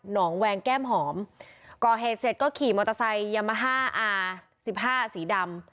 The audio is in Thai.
องแวงแก้มหอมก่อเหตุเสร็จก็ขี่มอเตอร์ไซค์ยามาฮ่าอาสิบห้าสีดำ